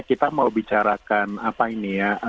kita mau bicarakan apa ini ya